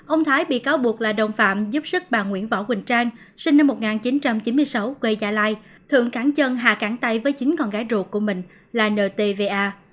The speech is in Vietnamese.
ông thái bị cáo buộc là đồng phạm giúp sức bà nguyễn võ quỳnh trang sinh năm một nghìn chín trăm chín mươi sáu quê gia lai thường cắn chân hạ cắn tay với chín con gái ruột của mình là nt va